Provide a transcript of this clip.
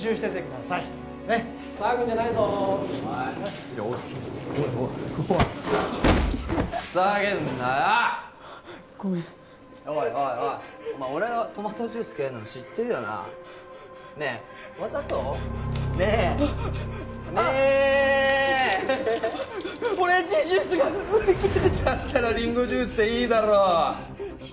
だったらリンゴジュースでいいだろ！